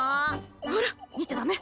こら見ちゃダメ！